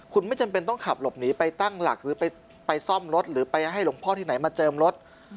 คุณไม่จำเป็นต้องขับหลบหนีไปตั้งหลักหรือไปซ่อมรถหรือไปให้หลวงพ่อที่ไหนมาเจิมรถ